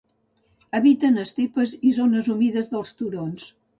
Habita en estepes i zones humides dels turons.